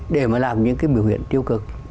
để mà làm những cái biểu hiện tiêu cực